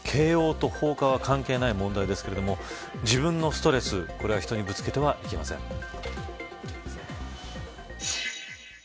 慶応と放火は関係ない問題ですけれども自分のストレス、これは人にぶつけてはいけません。